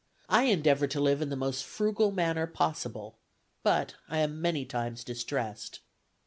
I endeavor to live in the most frugal manner possible, but I am many times distressed."